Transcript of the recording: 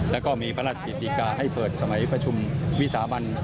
แล้วก็มีพระราชกิจดีกาให้เปิดสมัยประชุมวิสาบัน